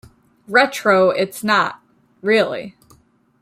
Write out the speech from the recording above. Retro it's not - really.